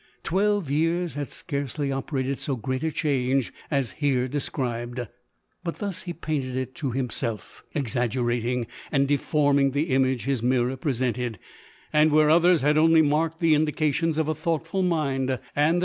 Twelve years had scarcely operated so great a change as here de scribed ; but thus he painted it to himself, ex aggerating and deforming the image his mirror presented — and where others had only marked the indications of a thoughtful mind, and the 216 LODORE.